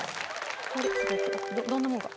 どんなもんか。